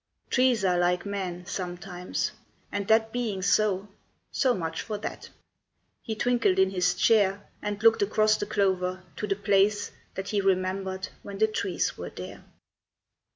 "Trees are like men, sometimes; and that being so, So much for that." He twinkled in his chair, And looked across the clover to the place That he remembered when the trees were there.